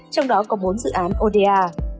trong đó có bốn dự án oda